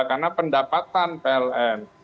karena pendapatan pln